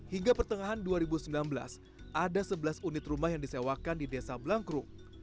hingga pertengahan dua ribu sembilan belas ada sebelas unit rumah yang disewakan di desa blangkrum